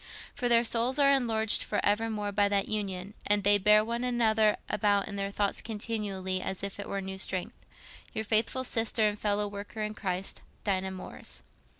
For their souls are enlarged for evermore by that union, and they bear one another about in their thoughts continually as it were a new strength.—Your faithful Sister and fellow worker in Christ, "DINAH MORRIS."